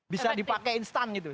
bisa dipakai instant gitu